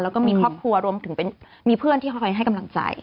แล้วก็มีครอบครัวรวมถึงมีเพื่อนที่คอยให้กำลังใจ